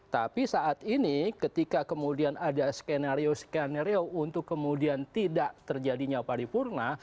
tapi saat ini ketika kemudian ada skenario skenario untuk kemudian tidak terjadinya paripurna